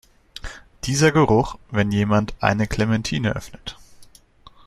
Dieser Geruch, wenn jemand eine Clementine öffnet!